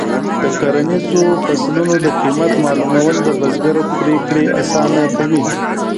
د کرنیزو فصلونو د قیمت معلومول د بزګر پریکړې اسانه کوي.